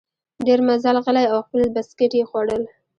ډېر مزل غلی او خپل بسکیټ یې خوړل.